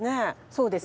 そうです。